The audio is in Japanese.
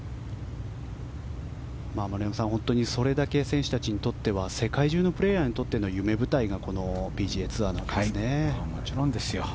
丸山さん、本当にそれだけ選手たちにとっては世界中のプレーヤーにとっての夢舞台がこのＰＧＡツアーです。